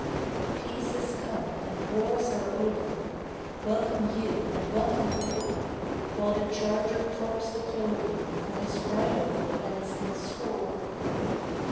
Peace is come and wars are over, Welcome you and welcome all, While the charger crops the clover And his bridle hangs in stall.